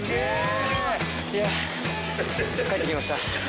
いや帰ってきました。